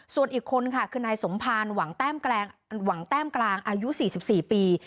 ส่วนอีกคนค่ะคือนายสมภารหวังแต้มกลางอายุ๔๔ปี